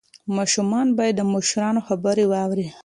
ماشومان باید د مشرانو خبرې واوري.